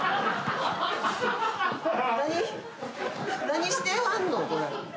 何何してはんの？